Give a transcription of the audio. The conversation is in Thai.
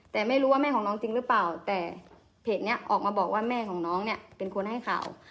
แต่ไม่รู้ว่าแม่ของน้องจริงหรือเปล่าแต่เพจนี้ออกมาบอกว่าแม่ของน้องเนี่ยเป็นคนให้ข่าว